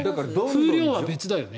風量は別だよね。